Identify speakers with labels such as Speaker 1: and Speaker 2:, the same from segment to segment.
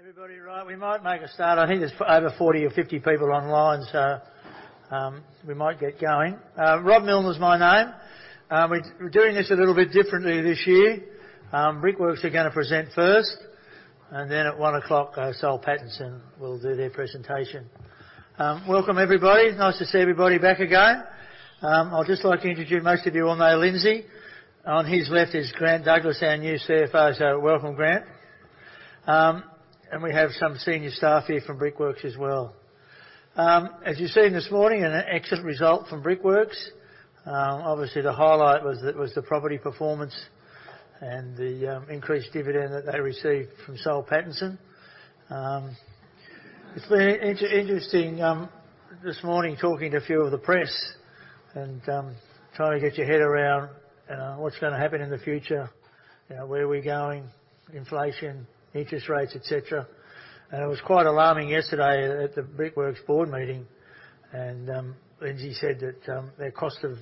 Speaker 1: Everybody ready? We might make a start. I think there's over 40 or 50 people online, so we might get going. Robert Millner's my name. We're doing this a little bit differently this year. Brickworks are gonna present first, and then at 1:00, Soul Pattinson will do their presentation. Welcome everybody. Nice to see everybody back again. I'd just like to introduce. Most of you all know Lindsay. On his left is Grant Douglas, our new CFO, so welcome Grant. We have some senior staff here from Brickworks as well. As you've seen this morning, an excellent result from Brickworks. Obviously the highlight was the property performance and the increased dividend that they received from Soul Pattinson. It's been interesting this morning talking to a few of the press and trying to get your head around what's gonna happen in the future, you know, where are we going, inflation, interest rates, et cetera. It was quite alarming yesterday at the Brickworks board meeting, and Lindsay said that their cost of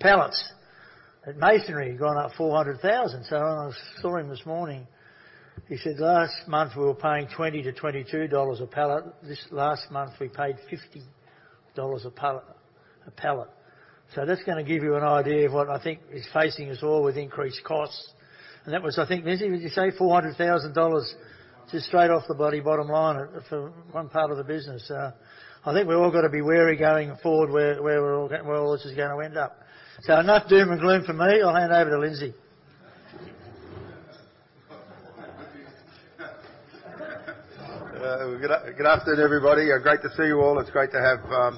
Speaker 1: pallets at masonry had gone up 400,000. When I saw him this morning, he said last month we were paying 20-22 dollars a pallet. This last month we paid 50 dollars a pallet. That's gonna give you an idea of what I think is facing us all with increased costs. That was, I think, Lindsay, would you say 400,000 dollars just straight off the bottom line for one part of the business? I think we've all gotta be wary going forward where all this is gonna end up. Enough doom and gloom from me. I'll hand over to Lindsay.
Speaker 2: Well, good afternoon, everybody. Great to see you all. It's great to have,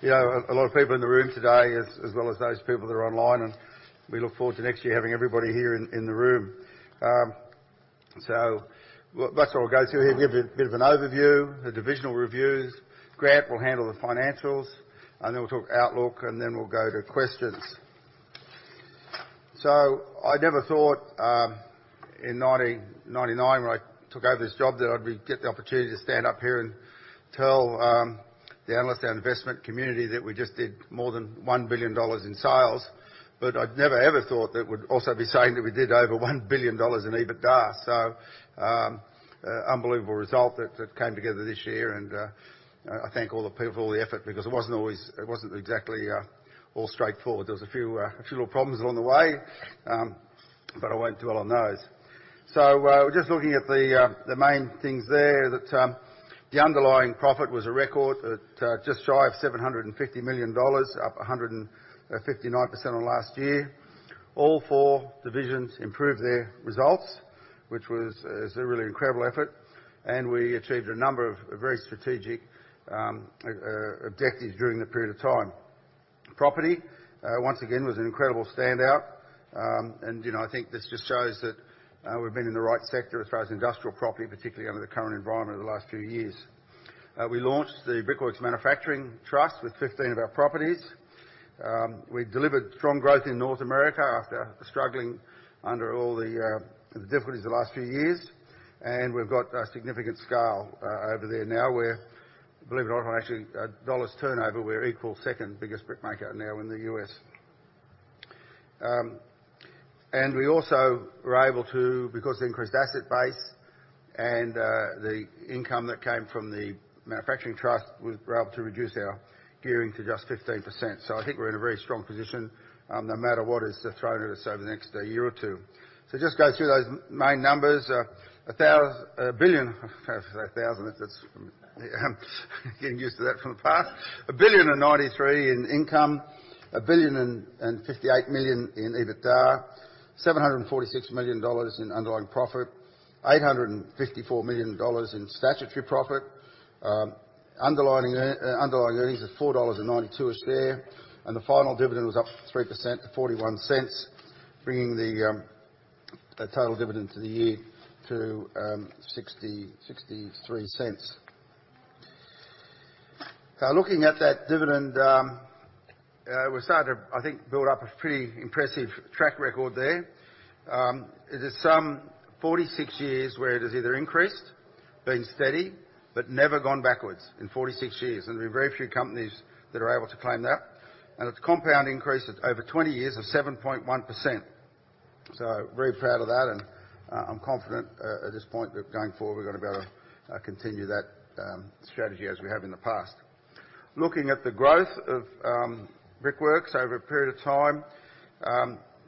Speaker 2: you know, a lot of people in the room today as well as those people that are online, and we look forward to next year having everybody here in the room. Well that's what I'll go through here, give you a bit of an overview, the divisional reviews. Grant will handle the financials, and then we'll talk outlook, and then we'll go to questions. I never thought, in 1999 when I took over this job that I'd be get the opportunity to stand up here and tell the analysts and investment community that we just did more than 1 billion dollars in sales. I'd never, ever thought that we'd also be saying that we did over 1 billion dollars in EBITDA. An unbelievable result that came together this year and I thank all the people for all the effort because it wasn't exactly all straightforward. There was a few little problems along the way, but I won't dwell on those. Just looking at the main things there that the underlying profit was a record at just shy of 750 million dollars, up 159% on last year. All four divisions improved their results, which is a really incredible effort, and we achieved a number of very strategic objectives during the period of time. Property once again was an incredible standout. You know, I think this just shows that we've been in the right sector as far as industrial property, particularly under the current environment of the last few years. We launched the Brickworks Manufacturing Trust with 15 of our properties. We delivered strong growth in North America after struggling under all the the difficulties the last few years, and we've got a significant scale over there now, where, believe it or not, on actually dollars turnover, we're equal second-biggest brick maker now in the U.S. We also were able to, because of the increased asset base and the income that came from the manufacturing trust, we were able to reduce our gearing to just 15%. I think we're in a very strong position, no matter what is thrown at us over the next year or two. Just go through those main numbers. I was going to say a thousand if it's getting used to that from the past. 1.093 billion in income, 1.058 billion in EBITDA, 746 million dollars in underlying profit, 854 million dollars in statutory profit. Underlying earnings of 4.92 dollars a share, and the final dividend was up 3% to 0.41, bringing the total dividend for the year to 0.63. Looking at that dividend, we're starting to, I think, build up a pretty impressive track record there. It is some 46 years where it has either increased, been steady, but never gone backwards in 46 years. There'll be very few companies that are able to claim that. It's a compound increase of over 20 years of 7.1%. Very proud of that and, I'm confident at this point that going forward we're gonna be able to continue that strategy as we have in the past. Looking at the growth of Brickworks over a period of time,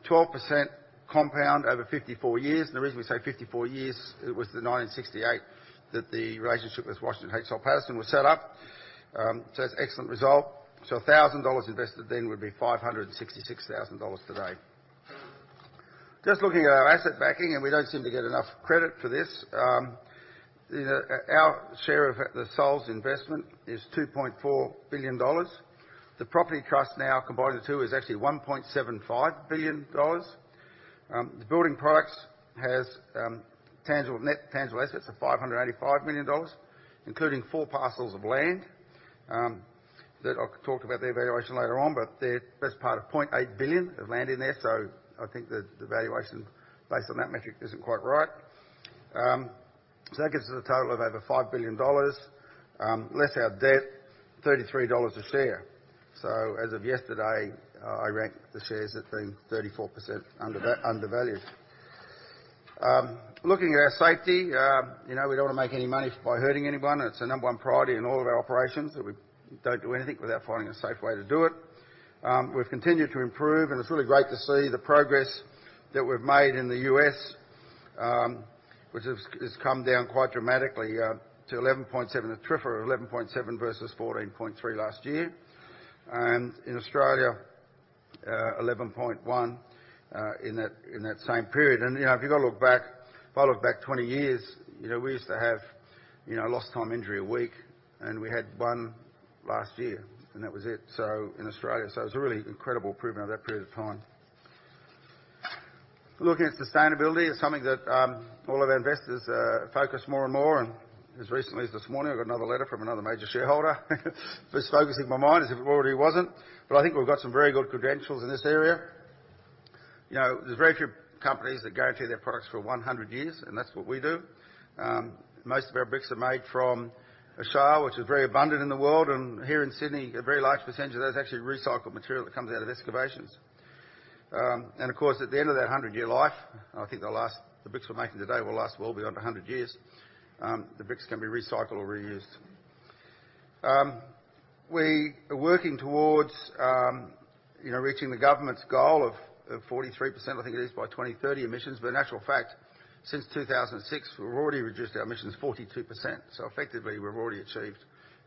Speaker 2: 12% compound over 54 years. The reason we say 54 years, it was the 1968 that the relationship with Washington H. Soul Pattinson was set up. That's excellent result. 1,000 dollars invested then would be 566,000 dollars today. Just looking at our asset backing, and we don't seem to get enough credit for this. Our share of the Soul's investment is 2.4 billion dollars. The property trust now combining the two is actually 1.75 billion dollars. The building products has tangible assets of 585 million dollars, including four parcels of land that I'll talk about their valuation later on, but they're best part of 0.8 billion of land in there, so I think the valuation based on that metric isn't quite right. That gives us a total of over 5 billion dollars, less our debt, 33 dollars a share. As of yesterday, I ranked the shares at being 34% undervalued. Looking at our safety, you know, we don't wanna make any money by hurting anyone. It's the number one priority in all of our operations, that we don't do anything without finding a safe way to do it. We've continued to improve, and it's really great to see the progress that we've made in the U.S., which has come down quite dramatically, to 11.7. The TRIFR of 11.7 versus 14.3 last year. In Australia, 11.1, in that same period. You know, if you gotta look back, if I look back 20 years, you know, we used to have, you know, a lost time injury a week, and we had one last year, and that was it, so in Australia, so it's a really incredible improvement of that period of time. Looking at sustainability, it's something that all of our investors focus more and more. As recently as this morning, I got another letter from another major shareholder who's focusing my mind as if it already wasn't. I think we've got some very good credentials in this area. You know, there's very few companies that guarantee their products for 100 years, and that's what we do. Most of our bricks are made from a shale, which is very abundant in the world, and here in Sydney, a very large percentage of those are actually recycled material that comes out of excavations. Of course, at the end of that 100-year life, I think they'll last. The bricks we're making today will last well beyond 100 years. The bricks can be recycled or reused. We are working towards, you know, reaching the government's goal of 43%, I think it is, by 2030 emissions. In actual fact, since 2006, we've already reduced our emissions 42%. Effectively, we've already achieved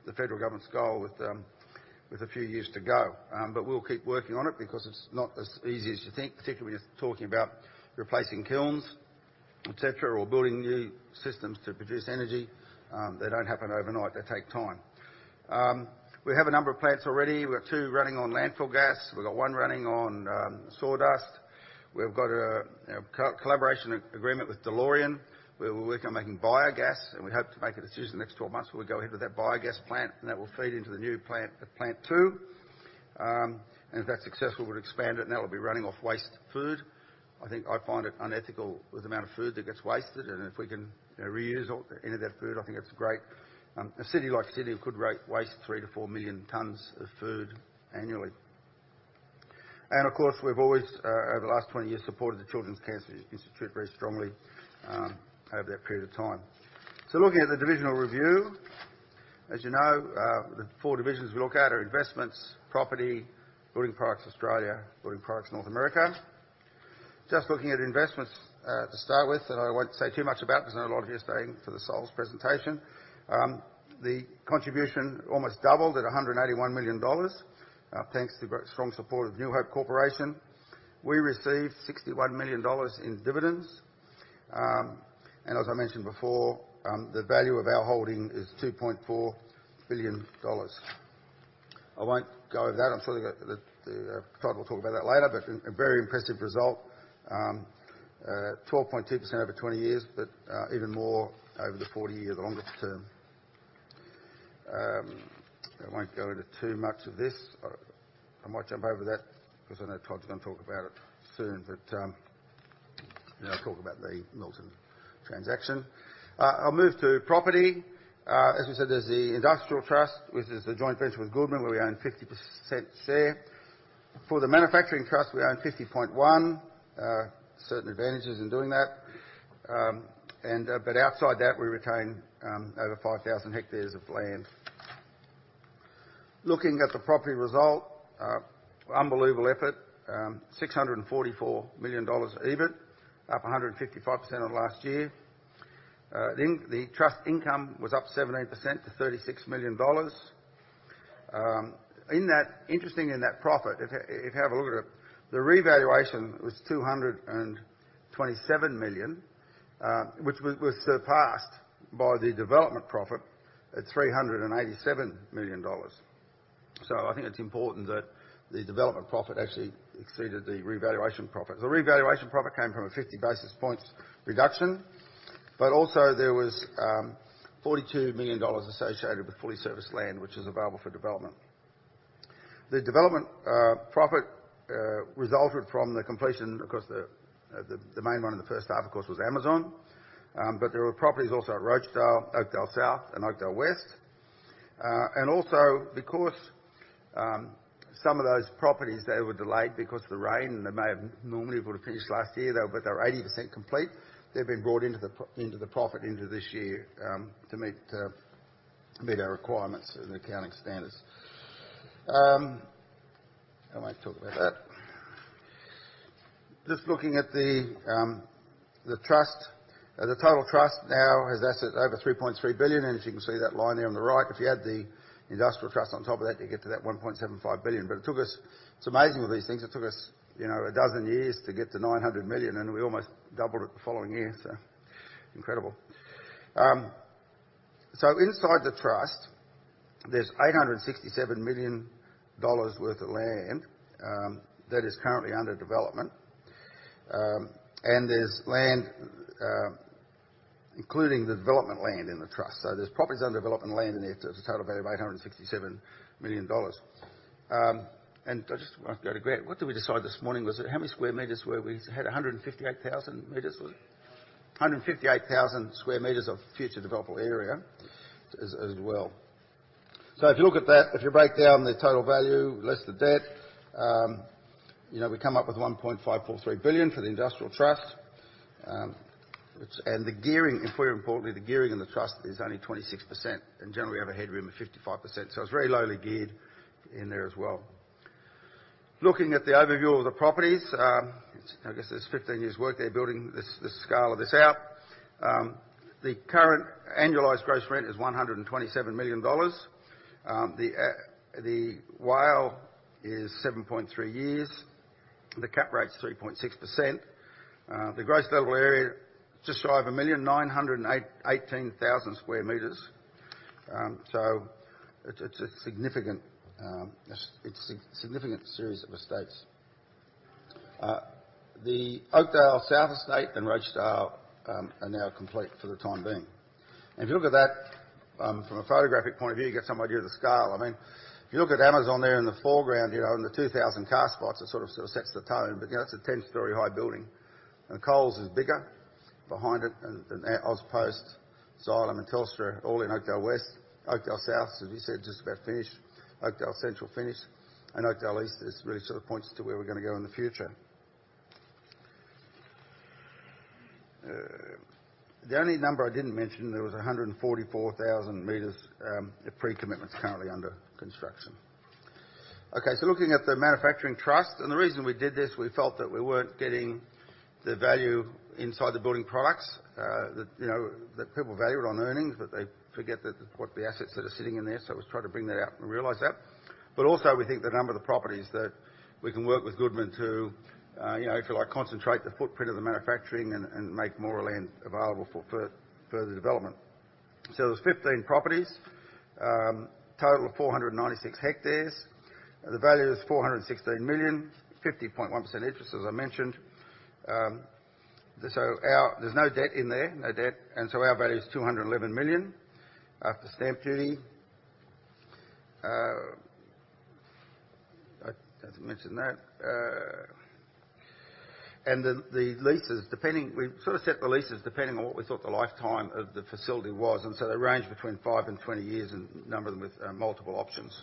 Speaker 2: the federal government's goal with a few years to go. We'll keep working on it because it's not as easy as you think, particularly when you're talking about replacing kilns, et cetera, or building new systems to produce energy. They don't happen overnight. They take time. We have a number of plants already. We have two running on landfill gas. We've got one running on sawdust. We've got a collaboration agreement with Delorean, where we're working on making biogas, and we hope to make a decision the next 12 months where we go into that biogas plant, and that will feed into the new plant at plant two. If that's successful, we'll expand it, and that'll be running off waste food. I think I find it unethical with the amount of food that gets wasted, and if we can, you know, reuse any of that food, I think that's great. A city like Sydney could waste 3-4 million tons of food annually. Of course, we've always over the last 20 years, supported the Children's Cancer Institute very strongly, over that period of time. Looking at the divisional review, as you know, the four divisions we look at are Investments, Property, Building Products Australia, Building Products North America. Just looking at investments, to start with, and I won't say too much about because I know a lot of you are staying for the Soul's presentation. The contribution almost doubled at 181 million dollars, thanks to the strong support of New Hope Corporation. We received 61 million dollars in dividends. And as I mentioned before, the value of our holding is 2.4 billion dollars. I won't go over that. I'm sure that the Todd will talk about that later, but a very impressive result. 12.2% over 20 years, but even more over the 40-year, the longest term. I won't go into too much of this. I might jump over that because I know Todd's gonna talk about it soon. Then I'll talk about the Milton transaction. I'll move to property. As we said, there's the Industrial Trust, which is the joint venture with Goodman, where we own 50% share. For the Manufacturing Trust, we own 50.1%. Certain advantages in doing that. Outside that, we retain over 5,000 hectares of land. Looking at the property result, unbelievable effort. 644 million dollars EBIT, up 155% on last year. The trust income was up 17% to 36 million dollars. Interesting in that profit, if you have a look at it, the revaluation was 227 million, which was surpassed by the development profit at 387 million dollars. I think it's important that the development profit actually exceeded the revaluation profit. The revaluation profit came from a 50 basis points reduction, but also there was 42 million dollars associated with fully serviced land which is available for development. The development profit resulted from the completion. Of course, the main one in the first half, of course, was Amazon. There were properties also at Rochedale, Oakdale South and Oakdale West. Some of those properties, they were delayed because of the rain, and they may have normally would have finished last year, though, but they were 80% complete. They've been brought into the profit this year, to meet our requirements and accounting standards. I won't talk about that. Just looking at the trust. The total trust now has assets over 3.3 billion, and as you can see that line there on the right, if you add the industrial trust on top of that, you get to that 1.75 billion. It took us, it's amazing with these things. It took us, you know, 12 years to get to 900 million, and we almost doubled it the following year. Incredible. Inside the trust, there's 867 million dollars worth of land that is currently under development. There's land, including the development land in the trust. There's properties and development land in there to a total value of 867 million dollars. I just want to go to Greg. What did we decide this morning? Was it how many square meters where we had 158,000 m? 158,000 sq m of future developable area as well. If you look at that, if you break down the total value less the debt, you know, we come up with 1.543 billion for the industrial trust. The gearing, and very importantly, the gearing in the trust is only 26%. In general, we have a headroom of 55%, so it's very lowly geared in there as well. Looking at the overview of the properties, I guess there's 15 years work there building this scale out. The current annualized gross rent is 127 million dollars. The WALE is 7.3 years. The cap rate's 3.6%. The gross developable area just shy of 1,918,000 sq m. So it's a significant series of estates. The Oakdale South estate and Rochedale are now complete for the time being. If you look at that from a photographic point of view, you get some idea of the scale. I mean, if you look at Amazon there in the foreground, you know, and the 2,000 car spots, it sort of sets the tone. You know, that's a 10-story high building. Coles is bigger behind it, and AusPost, Xylem, and Telstra all in Oakdale West. Oakdale South, as we said, just about finished. Oakdale Central finished, and Oakdale East is really sort of points to where we're gonna go in the future. The only number I didn't mention there was 144,000 meters of pre-commitments currently under construction. Okay, looking at the manufacturing trust, and the reason we did this, we felt that we weren't getting the value inside the building products that, you know, that people value it on earnings, but they forget that what the assets that are sitting in there. It was trying to bring that out and realize that. Also we think the number of the properties that we can work with Goodman to, you know, if you like, concentrate the footprint of the manufacturing and make more land available for further development. There was 15 properties. Total of 496 hectares. The value is 416 million. 50.1% interest, as I mentioned. Our— there's no debt in there. No debt. Our value is 211 million after stamp duty. I didn't mention that. And the leases, depending. We sort of set the leases depending on what we thought the lifetime of the facility was, and they range five to 20 years and a number of them with multiple options.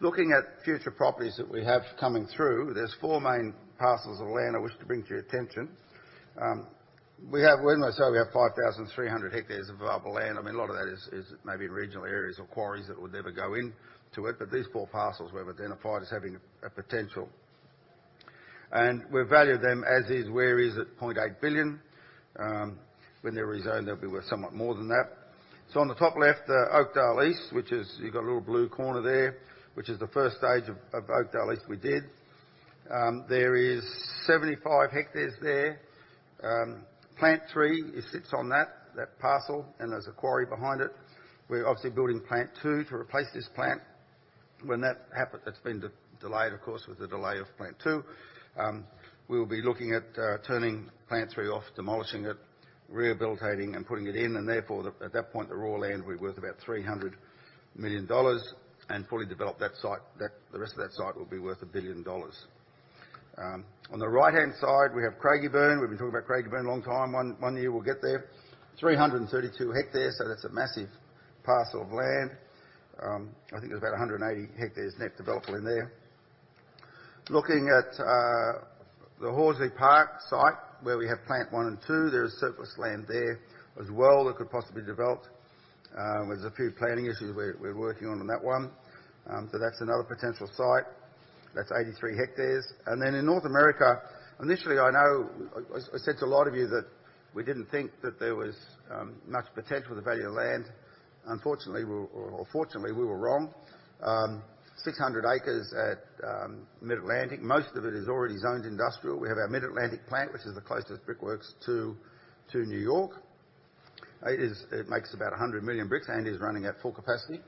Speaker 2: Looking at future properties that we have coming through, there's four main parcels of land I wish to bring to your attention. When I say we have 5,300 hectares of available land, I mean, a lot of that is maybe in regional areas or quarries that would never go into it, but these four parcels we've identified as having a potential. We value them as is where is at 0.8 billion. When they're rezoned, they'll be worth somewhat more than that. On the top left, the Oakdale East, which is, you've got a little blue corner there, which is the first stage of Oakdale East we did. There is 75 hectares there. Plant three, it sits on that parcel, and there's a quarry behind it. We're obviously building plant two to replace this plant. When that happens, that's been delayed, of course, with the delay of plant two. We'll be looking at turning plant three off, demolishing it, rehabilitating, and putting it in. Therefore, at that point, the raw land will be worth about 300 million dollars. Fully develop that site, the rest of that site will be worth 1 billion dollars. On the right-hand side, we have Craigieburn. We've been talking about Craigieburn a long time. One year we'll get there. 332 hectares, so that's a massive parcel of land. I think there's about 180 hectares net developable in there. Looking at the Horsley Park site, where we have plant one and two, there is surplus land there as well that could possibly be developed. There's a few planning issues we're working on that one. That's another potential site. That's 83 hectares. In North America, initially, I know I said to a lot of you that we didn't think that there was much potential for the value of land. Unfortunately, or fortunately, we were wrong. 600 acres at Mid-Atlantic, most of it is already zoned industrial. We have our Mid-Atlantic plant, which is the closest Brickworks to New York. It makes about 100 million bricks and is running at full capacity.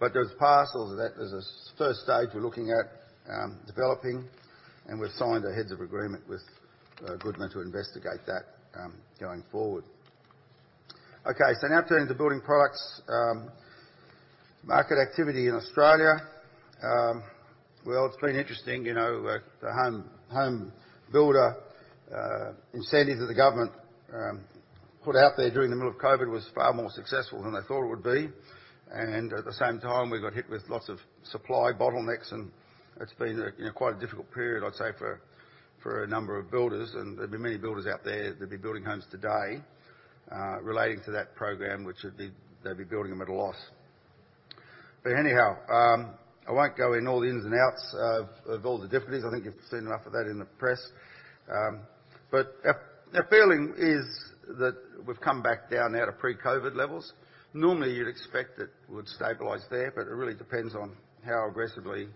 Speaker 2: But there's parcels of that. There's a first stage we're looking at developing, and we've signed a heads of agreement with Goodman to investigate that going forward. Now turning to building products. Market activity in Australia. Well, it's been interesting. You know, the home builder incentive that the government put out there during the middle of COVID was far more successful than they thought it would be. At the same time, we got hit with lots of supply bottlenecks, and it's been a, you know, quite a difficult period, I'd say, for a number of builders. There'd be many builders out there that'd be building homes today relating to that program, which would be, they'd be building them at a loss. Anyhow, I won't go in all the ins and outs of all the difficulties. I think you've seen enough of that in the press. Our feeling is that we've come back down now to pre-COVID levels. Normally, you'd expect that would stabilize there, but it really depends on how aggressively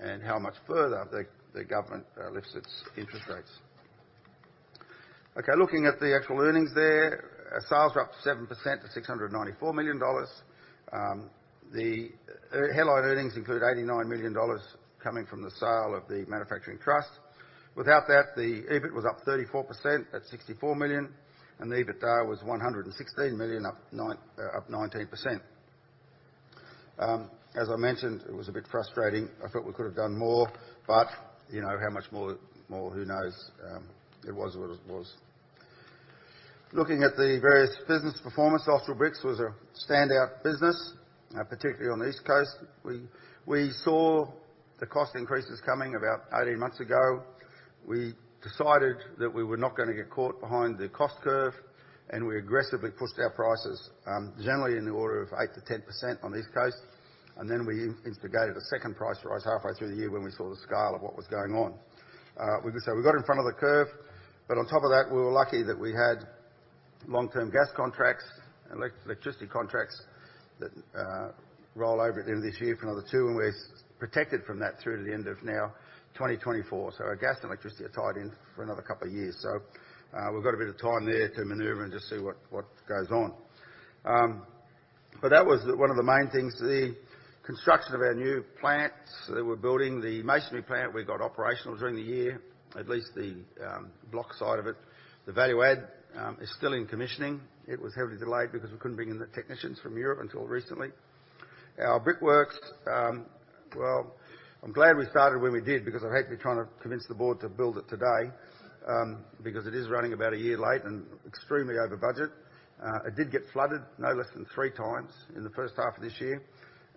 Speaker 2: and how much further the government lifts its interest rates. Okay, looking at the actual earnings there, our sales were up 7% to 694 million dollars. The headline earnings include 89 million dollars coming from the sale of the manufacturing trust. Without that, the EBIT was up 34% at 64 million, and the EBITDA was 116 million up 19%. As I mentioned, it was a bit frustrating. I thought we could have done more. You know, how much more, who knows? It was what it was. Looking at the various business performance, Austral Bricks was a standout business, particularly on the East Coast. We saw the cost increases coming about 18 months ago. We decided that we were not gonna get caught behind the cost curve, and we aggressively pushed our prices, generally in the order of 8%-10% on the East Coast. We instigated a second price rise halfway through the year when we saw the scale of what was going on. We could say we got in front of the curve. On top of that, we were lucky that we had long-term gas contracts and electricity contracts that roll over at the end of this year for another two, and we're protected from that through to the end of now, 2024. Our gas and electricity are tied in for another couple of years. We've got a bit of time there to maneuver and just see what goes on. That was one of the main things. The construction of our new plants that we're building. The masonry plant we got operational during the year, at least the block side of it. The value add is still in commissioning. It was heavily delayed because we couldn't bring in the technicians from Europe until recently. Our brickworks, well, I'm glad we started when we did because I'd hate to be trying to convince the board to build it today, because it is running about a year late and extremely over budget. It did get flooded no less than three times in the first half of this year,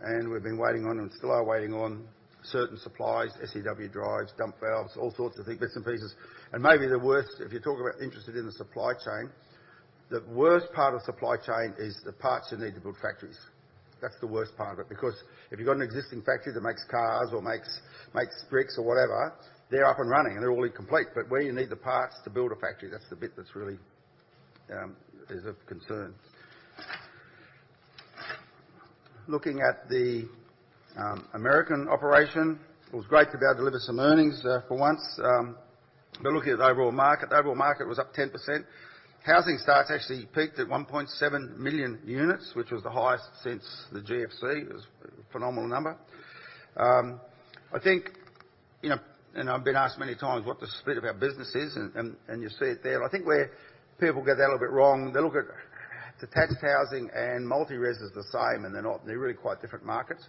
Speaker 2: and we've been waiting on and still are waiting on certain supplies, SEW-EURODRIVE drives, dump valves, all sorts of bits and pieces. Maybe the worst, if you're talking about interested in the supply chain, the worst part of supply chain is the parts you need to build factories. That's the worst part of it, because if you've got an existing factory that makes cars or makes bricks or whatever, they're up and running and they're already complete. Where you need the parts to build a factory, that's the bit that's really is of concern. Looking at the American operation, it was great to be able to deliver some earnings for once. Looking at the overall market, the overall market was up 10%. Housing starts actually peaked at 1.7 million units, which was the highest since the GFC. It was a phenomenal number. I think, you know, I've been asked many times what the split of our business is and you see it there. I think where people get that a little bit wrong, they look at detached housing and multi-res as the same, and they're not. They're really quite different markets.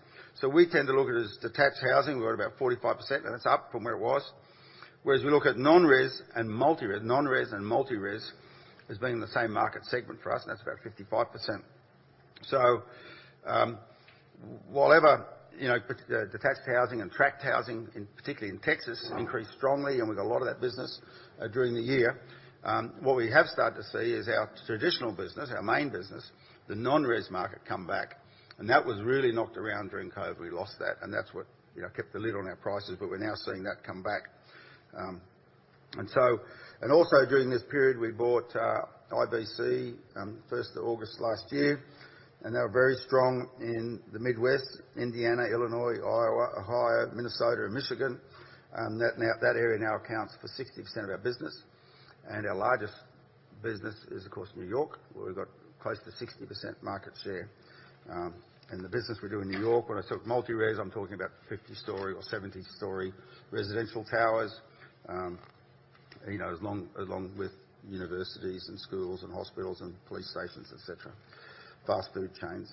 Speaker 2: We tend to look at it as detached housing. We're at about 45%, and it's up from where it was. Whereas we look at non-res and multi-res as being in the same market segment for us, and that's about 55%. Whatever, you know, detached housing and tract housing, in particular in Texas, increased strongly, and we got a lot of that business during the year. What we have started to see is our traditional business, our main business, the non-res market, come back. That was really knocked around during COVID. We lost that, and that's what, you know, kept the lid on our prices. But we're now seeing that come back. Also, during this period, we bought IBC first of August last year, and they were very strong in the Midwest, Indiana, Illinois, Iowa, Ohio, Minnesota, and Michigan. That area now accounts for 60% of our business. Our largest business is, of course, New York, where we've got close to 60% market share. The business we do in New York, when I talk multi-res, I'm talking about 50-story or 70-story residential towers. You know, along with universities and schools and hospitals and police stations, et cetera. Fast food chains.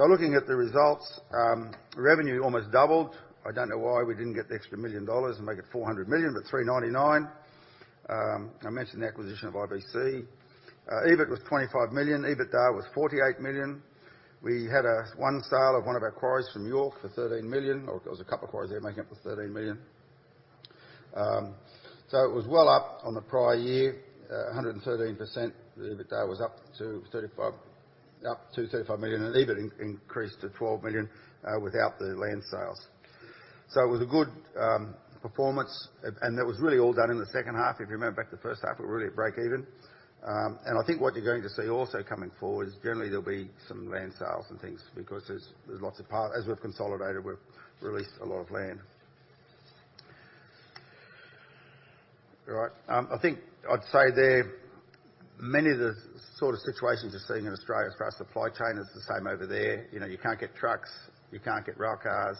Speaker 2: Looking at the results, revenue almost doubled. I don't know why we didn't get the extra 1 million dollars and make it 400 million, but 399 million. I mentioned the acquisition of IBC. EBIT was 25 million. EBITDA was 48 million. We had one sale of one of our quarries from York for 13 million, or it was a couple of quarries there making up the 13 million. So it was well up on the prior year, 113%. The EBITDA was up to 35 million, and EBIT increased to 12 million without the land sales. It was a good performance, and that was really all done in the second half. If you remember back to the first half, it was really a break even. I think what you're going to see also coming forward is generally there'll be some land sales and things. As we've consolidated, we've released a lot of land. I think I'd say many of the sort of situations you're seeing in Australia as far as supply chain is the same over there. You know, you can't get trucks, you can't get rail cars,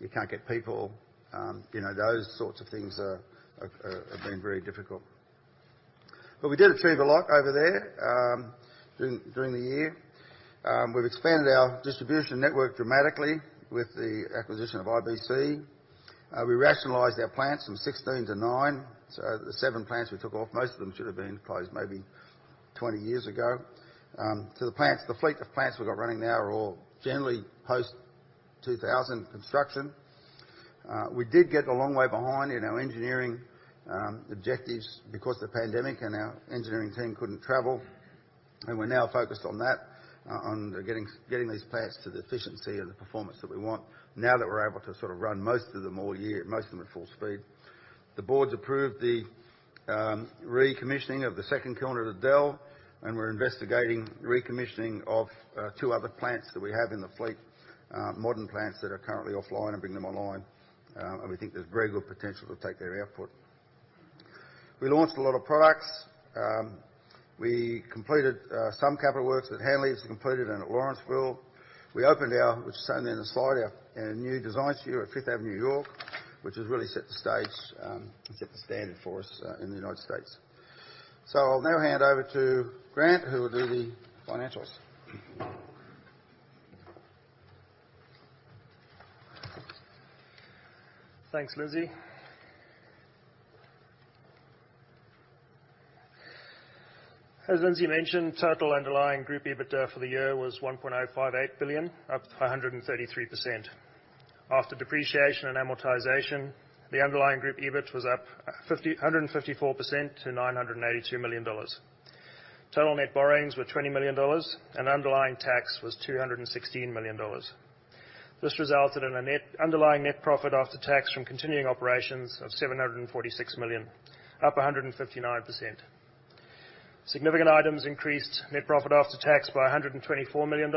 Speaker 2: you can't get people. You know, those sorts of things have been very difficult. We did achieve a lot over there during the year. We've expanded our distribution network dramatically with the acquisition of IBC. We rationalized our plants from 16 to nine. The seven plants we took off, most of them should have been closed maybe 20 years ago. The plants, the fleet of plants we've got running now are all generally post-2000 construction. We did get a long way behind in our engineering objectives because of the pandemic and our engineering team couldn't travel. We're now focused on that, on the getting these plants to the efficiency and the performance that we want now that we're able to sort of run most of them all year, most of them at full speed. The boards approved the recommissioning of the second kiln at Adel, and we're investigating recommissioning of two other plants that we have in the fleet, modern plants that are currently offline and bring them online. We think there's very good potential to take their output. We launched a lot of products. We completed some capital works that Hanley's completed in Lawrenceville. We opened our, which is shown in the slide, our new design studio at Fifth Avenue, New York, which has really set the stage, set the standard for us in the United States. I'll now hand over to Grant, who will do the financials.
Speaker 3: Thanks, Lindsay. As Lindsay mentioned, total underlying group EBITDA for the year was 1.058 billion, up 133%. After depreciation and amortization, the underlying group EBIT was up 154% to 982 million dollars. Total net borrowings were 20 million dollars and underlying tax was 216 million dollars. This resulted in a net, underlying net profit after tax from continuing operations of 746 million, up 159%. Significant items increased net profit after tax by AUD 124 million,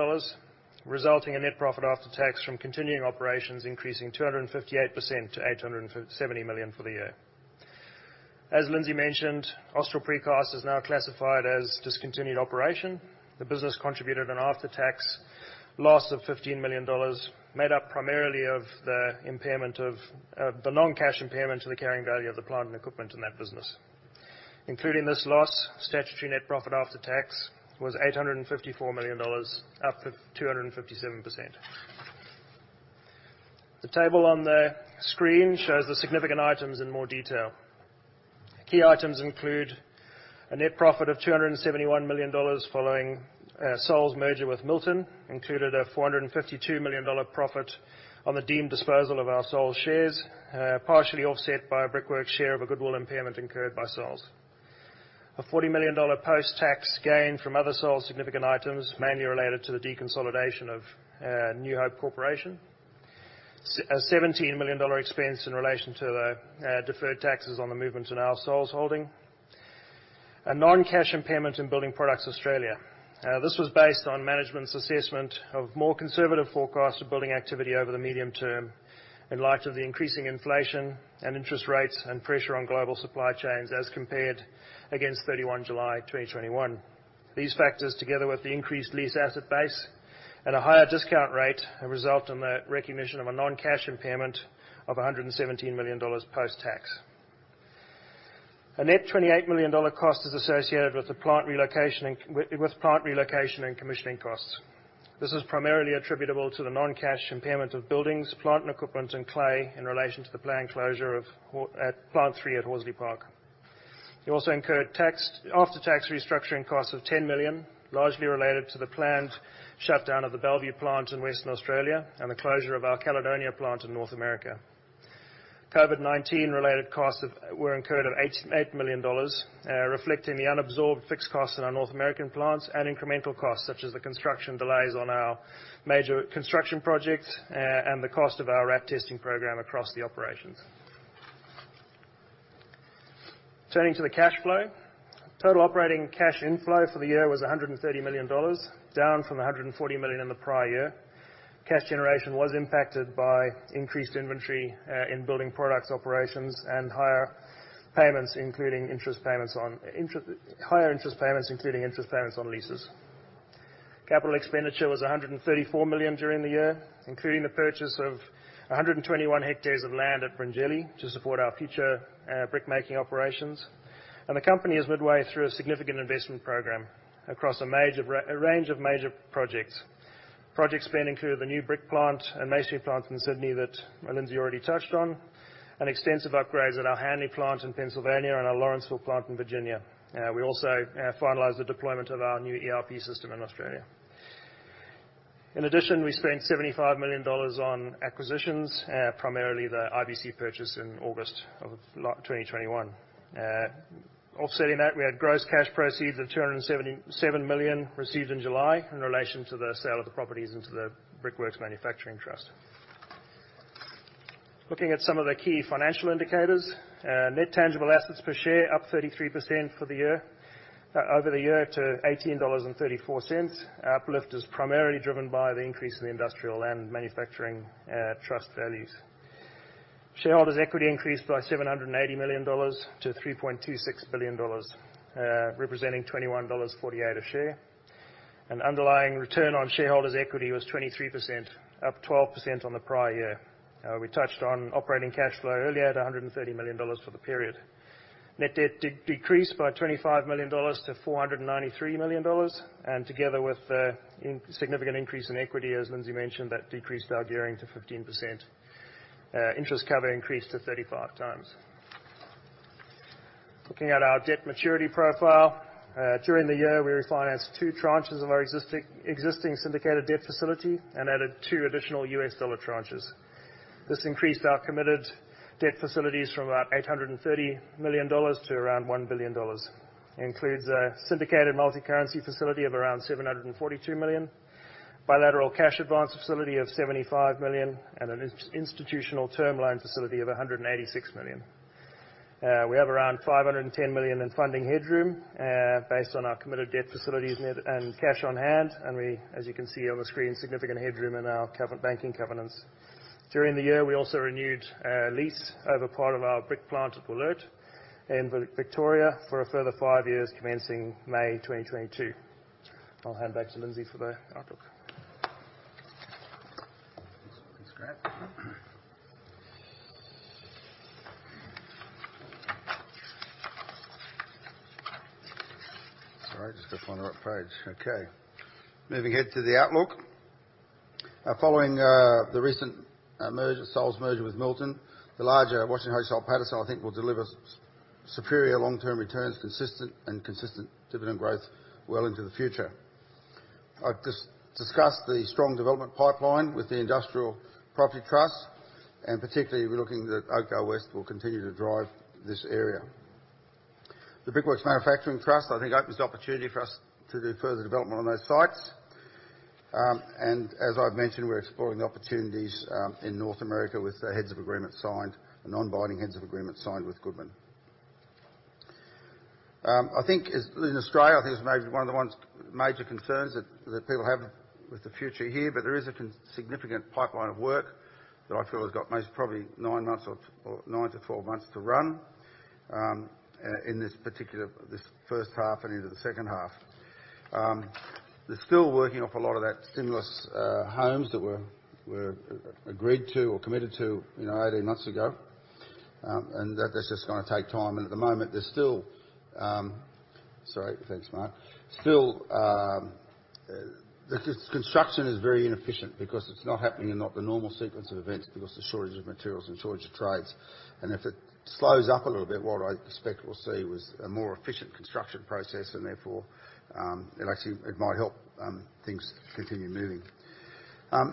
Speaker 3: resulting in net profit after tax from continuing operations increasing 258% to 857 million for the year. As Lindsay mentioned, Austral Precast is now classified as discontinued operation. The business contributed an after-tax loss of 15 million dollars, made up primarily of the impairment of the non-cash impairment to the carrying value of the plant and equipment in that business. Including this loss, statutory net profit after tax was 854 million dollars, up to 257%. The table on the screen shows the significant items in more detail. Key items include a net profit of 271 million dollars following Soul's merger with Milton. Included a 452 million dollar profit on the deemed disposal of our Soul's shares, partially offset by a Brickworks share of a goodwill impairment incurred by Soul's. A 40 million dollar post-tax gain from other Soul's significant items, mainly related to the deconsolidation of New Hope Corporation. A 17 million dollar expense in relation to the deferred taxes on the movement in our Soul's holding. A non-cash impairment in Building Products Australia. This was based on management's assessment of more conservative forecast of building activity over the medium term in light of the increasing inflation and interest rates and pressure on global supply chains as compared against 31 July 2021. These factors, together with the increased lease asset base and a higher discount rate, have resulted in the recognition of a non-cash impairment of 117 million dollars post-tax. A net 28 million dollar cost is associated with the plant relocation and commissioning costs. This is primarily attributable to the non-cash impairment of buildings, plant and equipment and clay in relation to the planned closure of at Plant 3 at Horsley Park. We also incurred after-tax restructuring costs of 10 million, largely related to the planned shutdown of the Bellevue plant in Western Australia and the closure of our Caledonia plant in North America. COVID-19 related costs of 8 million dollars were incurred, reflecting the unabsorbed fixed costs in our North American plants and incremental costs such as the construction delays on our major construction projects and the cost of our RAT testing program across the operations. Turning to the cash flow. Total operating cash inflow for the year was 130 million dollars, down from 140 million in the prior year. Cash generation was impacted by increased inventory in Building Products operations and higher payments, including interest payments on leases. Capital expenditure was 134 million during the year, including the purchase of 121 hectares of land at Bringelly to support our future brickmaking operations. The company is midway through a significant investment program across a range of major projects. Projects being included are the new brick plant and masonry plant in Sydney that Lindsay already touched on, and extensive upgrades at our Hanley plant in Pennsylvania and our Lawrenceville plant in Virginia. We also finalized the deployment of our new ERP system in Australia. In addition, we spent 75 million dollars on acquisitions, primarily the IBC purchase in August of, like, 2021. Offsetting that, we had gross cash proceeds of 277 million received in July in relation to the sale of the properties into the Brickworks Manufacturing Trust. Looking at some of the key financial indicators. Net tangible assets per share up 33% for the year, over the year to 18.34 dollars. Uplift is primarily driven by the increase in the Industrial and Manufacturing Trust values. Shareholders' equity increased by 780 million dollars to 3.26 billion dollars, representing 21.48 dollars a share. An underlying return on shareholders' equity was 23%, up 12% on the prior year. We touched on operating cash flow earlier at 130 million dollars for the period. Net debt decreased by 25 million dollars to 493 million dollars. Together with the insignificant increase in equity, as Lindsay mentioned, that decreased our gearing to 15%. Interest cover increased to 35x. Looking at our debt maturity profile. During the year, we refinanced two tranches of our existing syndicated debt facility and added two additional U.S. dollar tranches. This increased our committed debt facilities from about 830 million dollars to around 1 billion dollars. It includes a syndicated multicurrency facility of around 742 million, bilateral cash advance facility of 75 million, and an institutional term loan facility of 186 million. We have around 510 million in funding headroom, based on our committed debt facilities net and cash on hand. We, as you can see on the screen, significant headroom in our banking covenants. During the year, we also renewed our lease over part of our brick plant at Wollert in Victoria for a further five years commencing May 2022. I'll hand back to Lindsay for the outlook.
Speaker 2: Thanks, Grant. Sorry, just gotta find the right page. Okay. Moving ahead to the outlook. Following the recent merger, Washington H. Soul Pattinson's merger with Milton, the larger Washington H. Soul Pattinson, I think, will deliver superior long-term returns, consistent dividend growth well into the future. I've discussed the strong development pipeline with the industrial property trust, and particularly we're looking at Oakdale West will continue to drive this area. The Brickworks Manufacturing Trust, I think, opens the opportunity for us to do further development on those sites. As I've mentioned, we're exploring opportunities in North America with a non-binding heads of agreement signed with Goodman. I think as in Australia, I think it's maybe one of the major concerns that people have with the future here. Significant pipeline of work that I feel has got at least probably nine months or nine to 12 months to run in this particular first half and into the second half. They're still working off a lot of that stimulus homes that were agreed to or committed to, you know, 18 months ago. That's just gonna take time. At the moment, there's still. Sorry. Thanks, Mark. Still, the construction is very inefficient because it's not happening in the normal sequence of events because the shortage of materials and shortage of trades. If it slows up a little bit, what I expect we'll see is a more efficient construction process and therefore, it'll actually, it might help things continue moving.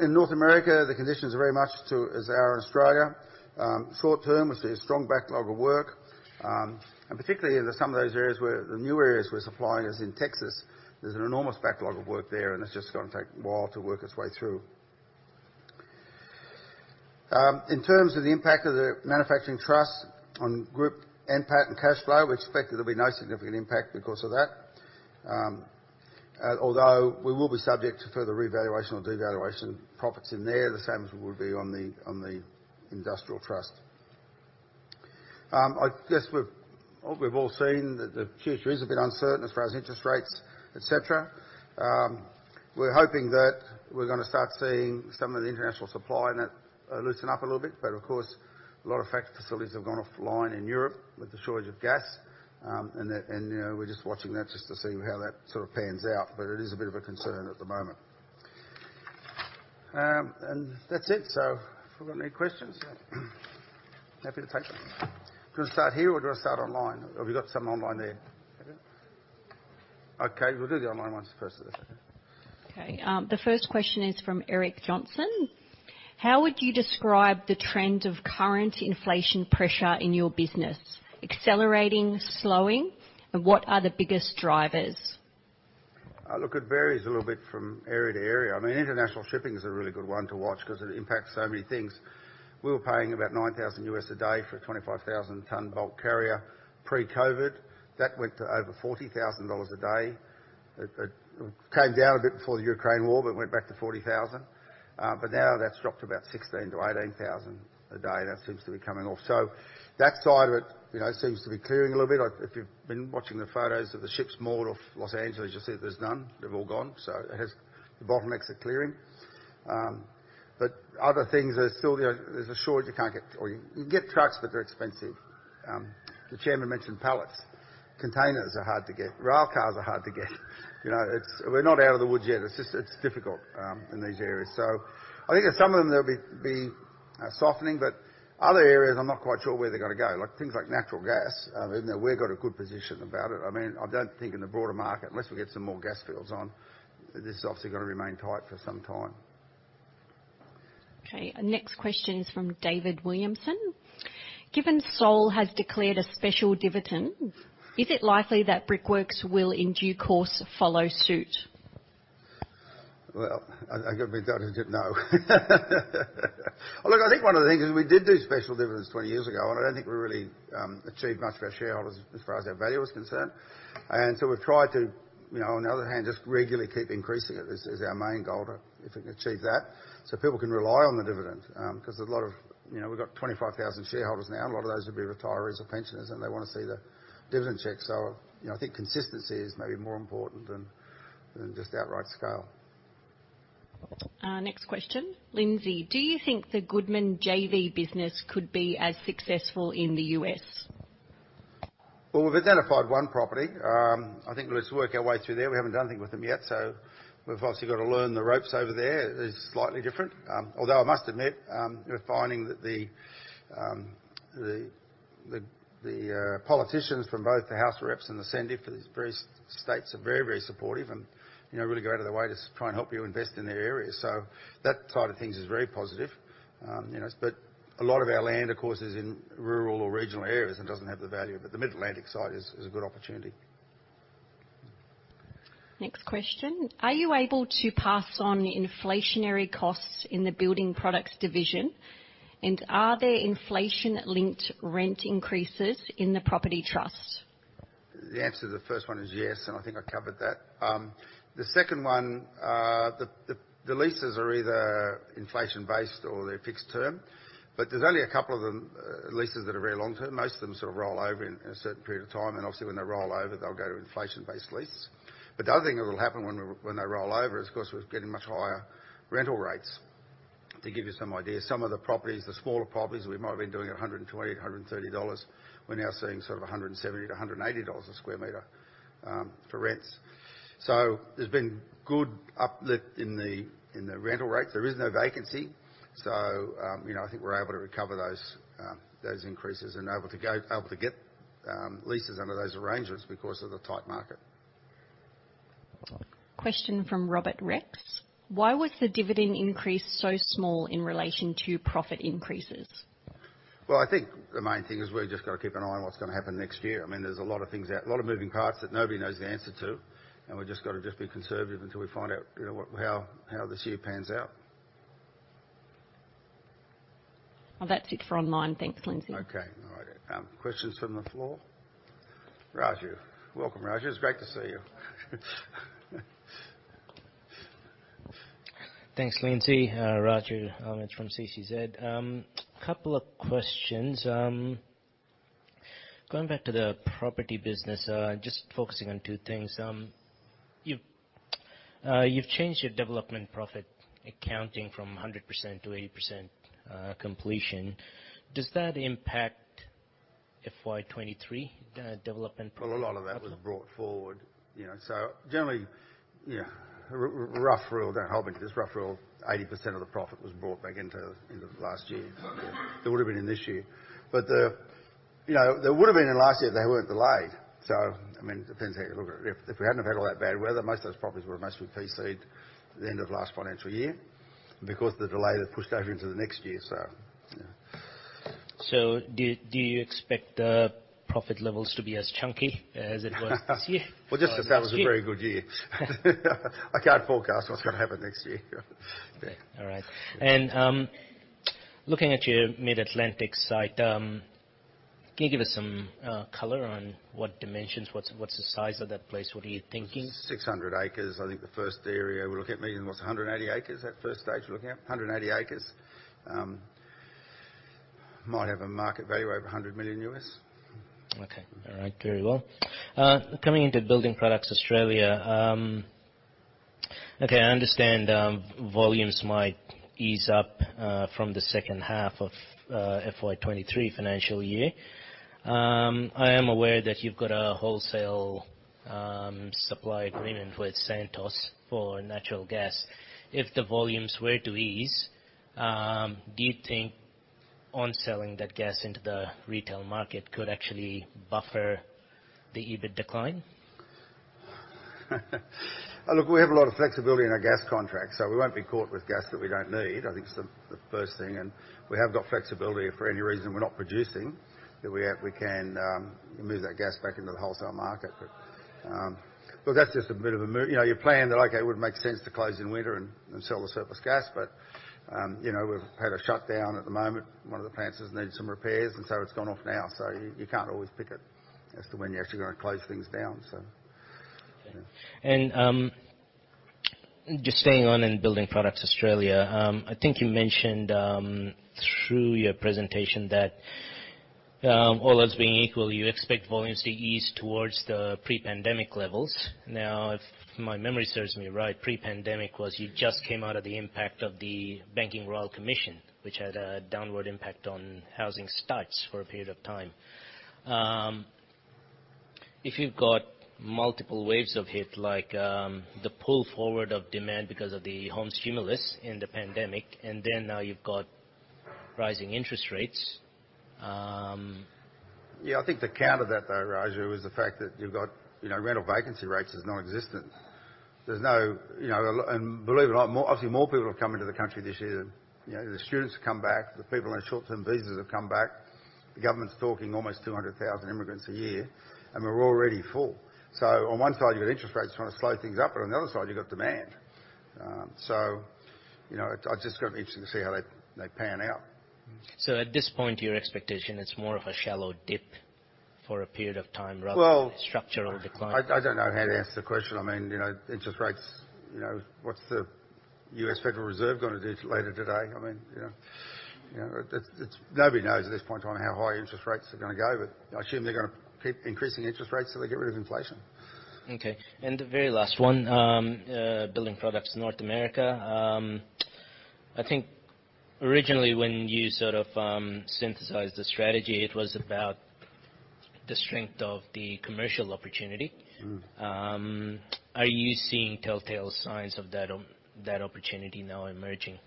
Speaker 2: In North America, the conditions are very much too, as they are in Australia. Short term, we see a strong backlog of work. Particularly in some of those areas where the new areas we're supplying, as in Texas, there's an enormous backlog of work there, and it's just gonna take a while to work its way through. In terms of the impact of the manufacturing trust on group NPAT and cash flow, we expect that there'll be no significant impact because of that. Although we will be subject to further revaluation or devaluation profits in there, the same as we would be on the industrial trust. I guess we've all seen that the future is a bit uncertain as far as interest rates, et cetera. We're hoping that we're gonna start seeing some of the international supply loosen up a little bit. Of course, a lot of factory facilities have gone offline in Europe with the shortage of gas, you know, we're just watching that to see how that sort of pans out, but it is a bit of a concern at the moment. That's it. If we've got any questions, happy to take them. Do you want to start here or do you want to start online? Have you got some online there? Okay, we'll do the online ones first if that's okay.
Speaker 4: Okay. The first question is from Eric Johnson. How would you describe the trend of current inflation pressure in your business? Accelerating? Slowing? And what are the biggest drivers?
Speaker 2: Look, it varies a little bit from area to area. I mean, international shipping is a really good one to watch 'cause it impacts so many things. We were paying about $9,000 a day for a 25,000-ton bulk carrier pre-COVID. That went to over $40,000 a day. It came down a bit before the Ukraine war, but went back to $40,000. Now that's dropped to about $16,000-$18,000 a day. That seems to be coming off. That side of it, you know, seems to be clearing a little bit. If you've been watching the photos of the ships moored off Los Angeles, you'll see there's none. They've all gone. The bottlenecks are clearing. Other things are still, you know, there's a shortage. You can't get, or you can get trucks, but they're expensive. The chairman mentioned pallets. Containers are hard to get. Rail cars are hard to get. You know, it's, we're not out of the woods yet. It's just, it's difficult in these areas. I think in some of them they'll be softening, but other areas I'm not quite sure where they're gonna go. Like, things like natural gas, even though we've got a good position about it, I mean, I don't think in the broader market, unless we get some more gas fields on, this is obviously gonna remain tight for some time.
Speaker 4: Okay. Next question is from David Williamson. Given Soul has declared a special dividend, is it likely that Brickworks will in due course follow suit?
Speaker 2: That is a good no. Look, I think one of the things is we did do special dividends 20 years ago, and I don't think we really achieved much for our shareholders as far as our value is concerned. We've tried to, you know, on the other hand, just regularly keep increasing it. This is our main goal, to if we can achieve that, so people can rely on the dividend. 'Cause there's a lot of, you know, we've got 25,000 shareholders now. A lot of those will be retirees or pensioners, and they wanna see the dividend check. You know, I think consistency is maybe more important than just outright scale.
Speaker 4: Next question. Lindsay, do you think the Goodman JV business could be as successful in the U.S.?
Speaker 2: Well, we've identified one property. I think we'll just work our way through there. We haven't done anything with them yet, so we've obviously gotta learn the ropes over there. It's slightly different. Although I must admit, we're finding that the politicians from both the House of Reps and the Senate for these various states are very, very supportive and, you know, really go out of their way to try and help you invest in their areas. So that side of things is very positive. You know, but a lot of our land, of course, is in rural or regional areas and doesn't have the value, but the Mid-Atlantic site is a good opportunity.
Speaker 4: Next question. Are you able to pass on inflationary costs in the Building Products division? Are there inflation-linked rent increases in the property trust?
Speaker 2: The answer to the first one is yes, and I think I covered that. The second one, the leases are either inflation-based or they're fixed term. There's only a couple of them, leases that are very long-term. Most of them sort of roll over in a certain period of time. Obviously, when they roll over, they'll go to inflation-based leases. The other thing that'll happen when they roll over is, of course, we're getting much higher rental rates. To give you some idea, some of the properties, the smaller properties, we might have been doing 120, 130 dollars, we're now seeing sort of 170-180 dollars a square meter for rents. There's been good uplift in the rental rates. There is no vacancy, so, you know, I think we're able to recover those increases and able to get leases under those arrangements because of the tight market.
Speaker 4: Question from Robert Rex. Why was the dividend increase so small in relation to profit increases?
Speaker 2: Well, I think the main thing is we've just gotta keep an eye on what's gonna happen next year. I mean, there's a lot of things that, a lot of moving parts that nobody knows the answer to, and we've just gotta just be conservative until we find out, you know, what, how this year pans out.
Speaker 4: Well, that's it for online. Thanks, Lindsay.
Speaker 2: Okay. All right. Questions from the floor. Raju. Welcome, Raju. It's great to see you.
Speaker 5: Thanks, Lindsay. Raju Ahmed from CCZ. A couple of questions. Going back to the property business, just focusing on two things. You've changed your development profit accounting from 100% to 80% completion. Does that impact FY 2023 development profit?
Speaker 2: Well, a lot of that was brought forward, you know. Generally, you know, rough rule, don't hold me to this. Rough rule, 80% of the profit was brought back into the last year. It would've been in this year. But the, you know, they would've been in last year if they weren't delayed. I mean, it depends how you look at it. If we hadn't have had all that bad weather, most of those properties were mostly PC'd at the end of last financial year. Because of the delay, they're pushed over into the next year, so yeah.
Speaker 5: Do you expect the profit levels to be as chunky as it was this year or next year?
Speaker 2: Well, just because that was a very good year. I can't forecast what's gonna happen next year. Yeah.
Speaker 5: All right. Looking at your Mid-Atlantic site, can you give us some color on what dimensions, what's the size of that place? What are you thinking?
Speaker 2: 600 acres, I think the first area we're looking at. Maybe it was 180 acres, that first stage we're looking at. 180 acres might have a market value of $100 million.
Speaker 5: Coming into Building Products Australia, I understand volumes might ease up from the second half of FY 2023 financial year. I am aware that you've got a wholesale supply agreement with Santos for natural gas. If the volumes were to ease, do you think onselling that gas into the retail market could actually buffer the EBIT decline?
Speaker 2: Look, we have a lot of flexibility in our gas contract, so we won't be caught with gas that we don't need. I think is the first thing. We have got flexibility if for any reason we're not producing. We can move that gas back into the wholesale market. Look. You know, you plan that, okay, it would make sense to close in winter and sell the surplus gas. You know, we've had a shutdown at the moment. One of the plants does need some repairs, and so it's gone off now. You can't always pick it as to when you're actually gonna close things down, so.
Speaker 5: Okay. Just staying on in Building Products Australia, I think you mentioned through your presentation that all else being equal, you expect volumes to ease towards the pre-pandemic levels. Now, if my memory serves me right, pre-pandemic was you just came out of the impact of the banking royal commission, which had a downward impact on housing starts for a period of time. If you've got multiple waves of hit like the pull forward of demand because of the home stimulus in the pandemic, and then now you've got rising interest rates.
Speaker 2: Yeah, I think the counter to that though, Raju, is the fact that you've got, you know, rental vacancy rates is nonexistent. There's no, you know, believe it or not, obviously, more people have come into the country this year than, you know, the students have come back, the people on short-term visas have come back. The government's talking almost 200,000 immigrants a year, and we're already full. On one side, you've got interest rates trying to slow things up, but on the other side you've got demand. You know, interesting to see how that, they pan out.
Speaker 5: At this point, your expectation is more of a shallow dip for a period of time rather than.
Speaker 2: Well-
Speaker 5: A structural decline?
Speaker 2: I don't know how to answer the question. I mean, you know, interest rates, you know, what's the US Federal Reserve gonna do later today? I mean, you know. You know, it's nobody knows at this point in time how high interest rates are gonna go, but I assume they're gonna keep increasing interest rates till they get rid of inflation.
Speaker 5: Okay. The very last one, Building Products North America. I think originally when you sort of synthesized the strategy, it was about the strength of the commercial opportunity.
Speaker 2: Mm.
Speaker 5: Are you seeing telltale signs of that opportunity now emerging?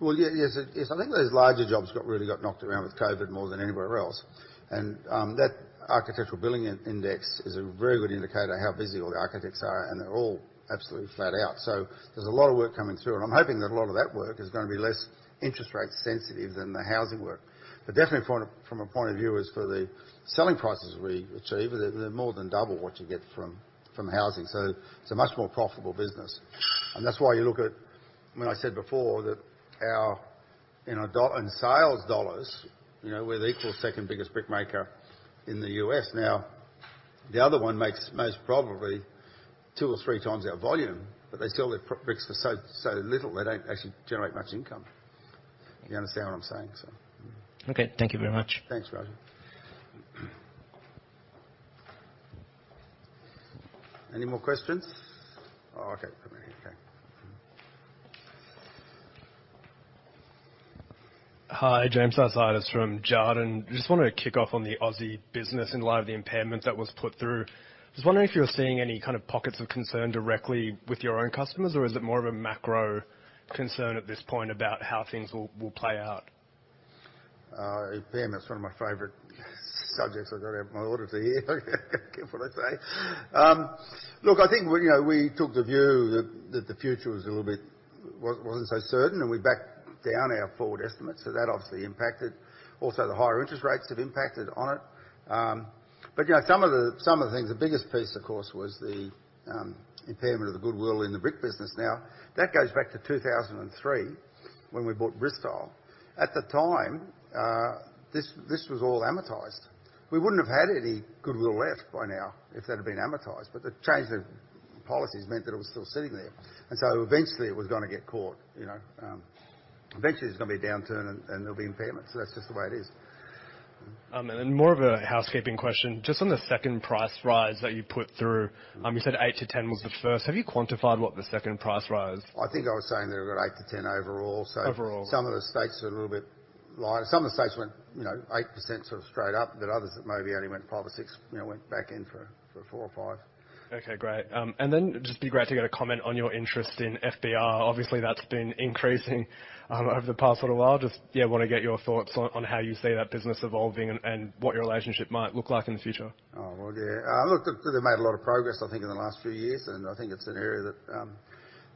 Speaker 2: Yes, I think those larger jobs got really knocked around with COVID more than anywhere else. That architectural building index is a very good indicator of how busy all the architects are, and they're all absolutely flat out. There's a lot of work coming through, and I'm hoping that a lot of that work is gonna be less interest rate sensitive than the housing work. Definitely from a point of view as for the selling prices we achieve, they're more than double what you get from housing, so it's a much more profitable business. That's why you look at. I mean, I said before that in sales dollars, you know, we're the equal second-biggest brick maker in the U.S. now. The other one makes most probably 2x or 3x our volume, but they sell their bricks for so little, they don't actually generate much income. You understand what I'm saying, so.
Speaker 5: Okay, thank you very much.
Speaker 2: Thanks, Roger. Any more questions? Oh, okay. Somebody, okay.
Speaker 6: Hi, James Stanners from Jarden. Just wanted to kick off on the Aussie business in light of the impairment that was put through. I was wondering if you're seeing any kind of pockets of concern directly with your own customers, or is it more of a macro concern at this point about how things will play out?
Speaker 2: Impairment, that's one of my favorite subjects. I've gotta have my auditor here, careful what I say. Look, I think we, you know, we took the view that the future wasn't so certain, and we backed down our forward estimates, so that obviously impacted. Also, the higher interest rates have impacted on it. But you know, some of the things, the biggest piece, of course, was the impairment of the goodwill in the brick business. Now that goes back to 2003 when we bought Bristile. At the time, this was all amortized. We wouldn't have had any goodwill left by now if that had been amortized, but the change in policies meant that it was still sitting there. Eventually it was gonna get caught, you know. Eventually there's gonna be a downturn, and there'll be impairments. That's just the way it is.
Speaker 6: More of a housekeeping question. Just on the second price rise that you put through.
Speaker 2: Mm.
Speaker 6: You said 8-10 was the first. Have you quantified what the second price rise?
Speaker 2: I think I was saying there was 8-10 overall.
Speaker 6: Overall.
Speaker 2: Some of the states went, you know, 8% sort of straight up, but others that maybe only went 5 or 6, you know, went back in for 4 or 5.
Speaker 6: Okay, great. It'd just be great to get a comment on your interest in FBR. Obviously, that's been increasing over the past little while. Just, yeah, wanna get your thoughts on how you see that business evolving and what your relationship might look like in the future.
Speaker 2: Oh, well, yeah. Look, they made a lot of progress, I think, in the last few years, and I think it's an area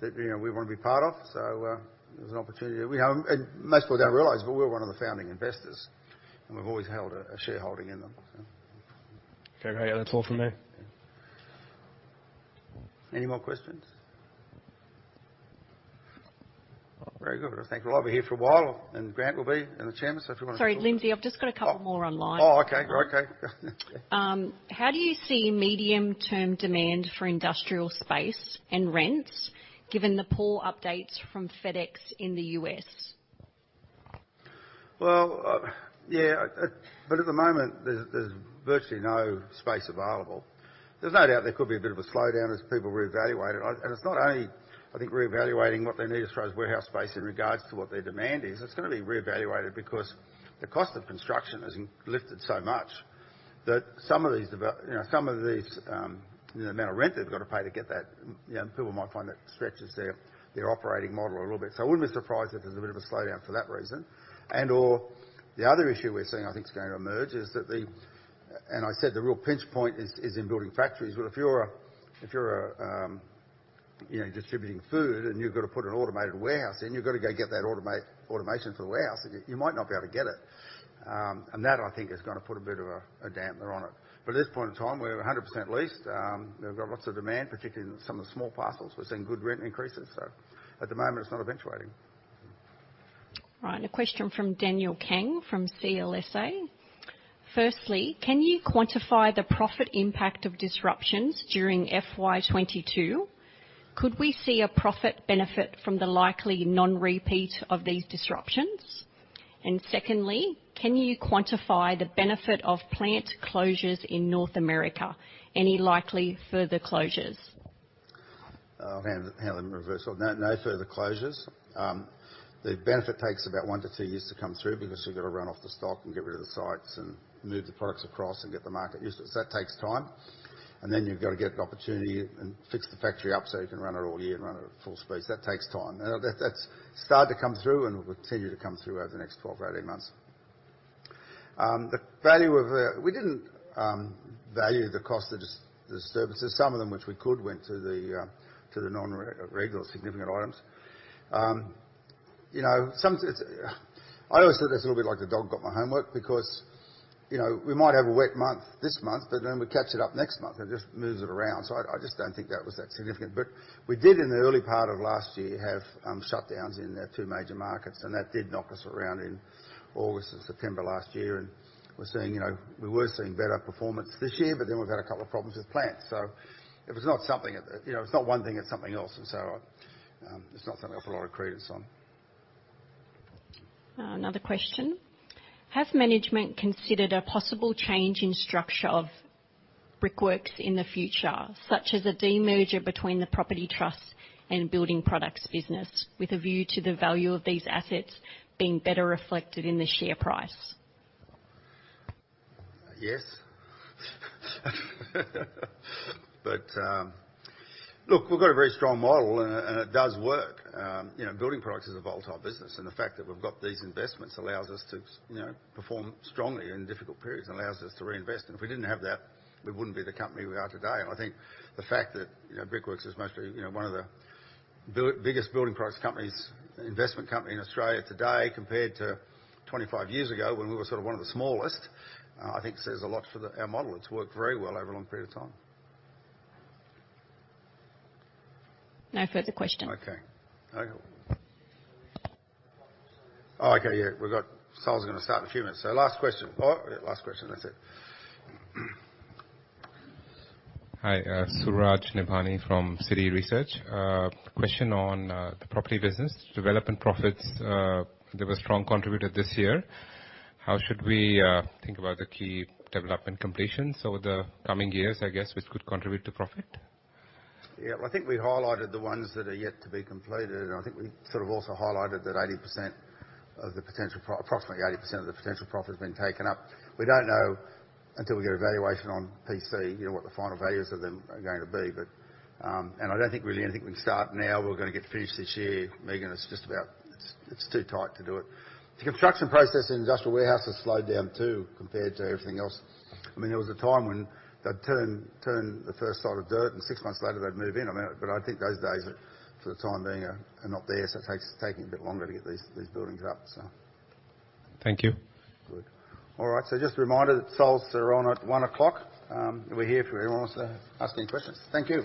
Speaker 2: that, you know, we wanna be part of. There's an opportunity that we have. Most people don't realize, but we're one of the founding investors, and we've always held a shareholding in them, so.
Speaker 6: Okay, great. That's all from me.
Speaker 2: Any more questions? Very good. I think we'll all be here for a while, and Grant will be in the chair, so if you wanna-
Speaker 4: Sorry, Lindsay, I've just got a couple more online.
Speaker 2: Oh, okay. Great.
Speaker 4: How do you see medium-term demand for industrial space and rents given the poor updates from FedEx in the U.S.?
Speaker 2: Well, yeah, but at the moment there's virtually no space available. There's no doubt there could be a bit of a slowdown as people reevaluate. It's not only, I think, reevaluating what they need as far as warehouse space in regards to what their demand is. It's gonna be reevaluated because the cost of construction has lifted so much that some of these you know, some of these, you know, the amount of rent they've got to pay to get that, you know, people might find that stretches their operating model a little bit. So I wouldn't be surprised if there's a bit of a slowdown for that reason. Or the other issue we're seeing, I think is going to emerge, is that the real pinch point is in building factories. If you're you know, distributing food and you've got to put an automated warehouse in, you've got to go get that automation for the warehouse, and you might not be able to get it. That, I think, is gonna put a bit of a damper on it. At this point in time, we're 100% leased. We've got lots of demand, particularly in some of the small parcels. We're seeing good rent increases, so at the moment it's not eventuating.
Speaker 4: All right, a question from Daniel Kang from CLSA. Firstly, can you quantify the profit impact of disruptions during FY 2022? Could we see a profit benefit from the likely non-repeat of these disruptions? And secondly, can you quantify the benefit of plant closures in North America? Any likely further closures?
Speaker 2: I'll hand them in reverse order. No further closures. The benefit takes about one to two years to come through because you've got to run off the stock and get rid of the sites and move the products across and get the market used to it. That takes time, and then you've got to get an opportunity and fix the factory up so you can run it all year and run it at full speed. That takes time. Now that's started to come through and will continue to come through over the next 12 or 18 months. The value of... we didn't value the cost of disturbances. Some of them, which we could, went to the non-recurring significant items. You know, some. It's. I always thought that's a little bit like the dog got my homework because, you know, we might have a wet month this month, but then we catch it up next month. It just moves it around. I just don't think that was that significant. We did, in the early part of last year, have shutdowns in our two major markets, and that did knock us around in August and September last year. We're seeing, you know, we were seeing better performance this year, but then we've had a couple of problems with plants. If it's not something, you know, it's not one thing, it's something else. It's not something I've put a lot of credence on.
Speaker 4: Another question. Has management considered a possible change in structure of Brickworks in the future, such as a demerger between the Property Trust and Building Products business with a view to the value of these assets being better reflected in the share price?
Speaker 2: Yes. Look, we've got a very strong model and it does work. You know, building products is a volatile business, and the fact that we've got these investments allows us to you know, perform strongly in difficult periods and allows us to reinvest. If we didn't have that, we wouldn't be the company we are today. I think the fact that you know, Brickworks is mostly you know, one of the biggest building products companies, investment company in Australia today compared to 25 years ago when we were sort of one of the smallest. I think says a lot for our model. It's worked very well over a long period of time.
Speaker 4: No further questions.
Speaker 2: Okay. Oh, okay, yeah. Sales are gonna start in a few minutes. Last question. Oh, last question, that's it.
Speaker 7: Hi, Suraj Nebhani from Citi Research. Question on the property business. Development profits, they were strong contributor this year. How should we think about the key development completions over the coming years, I guess, which could contribute to profit?
Speaker 2: Yeah. Well, I think we highlighted the ones that are yet to be completed, and I think we sort of also highlighted that approximately 80% of the potential profit has been taken up. We don't know until we get a valuation on PC, you know, what the final values of them are going to be. I don't think really anything can start now, we're not gonna get finished this year. Megan, it's too tight to do it. The construction process in industrial warehouse has slowed down too, compared to everything else. I mean, there was a time when they'd turn the first lot of dirt, and six months later they'd move in. I mean. I think those days are, for the time being, not there, so taking a bit longer to get these buildings up.
Speaker 7: Thank you.
Speaker 2: Good. All right, just a reminder that sales are on at one o'clock. We're here if anyone wants to ask any questions. Thank you.